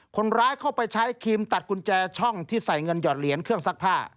คนร้ายเข้าไปใช้ครีมตัดกุญแจช่องที่ใส่เงินหอดเหรียญเครื่องซักผ้า